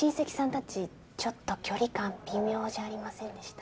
達ちょっと距離感微妙じゃありませんでした？